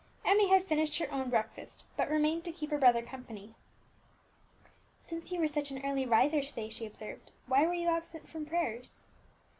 Emmie had finished her own breakfast, but remained to keep her brother company. "Since you were such an early riser to day," she observed, "why were you absent from prayers?"